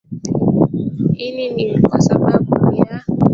ini ni kwa sababu ya